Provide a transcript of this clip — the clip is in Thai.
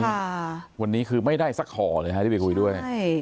ค่ะวันนี้คือไม่ได้สักห่อเลยฮะที่ไปคุยด้วยใช่